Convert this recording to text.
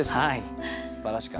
すばらしかったですね。